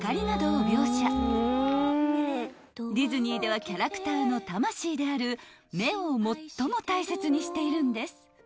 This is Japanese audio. ［ディズニーではキャラクターの魂である目を最も大切にしているんです］